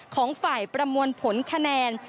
ของฝ่ายประมวลผลคะแนน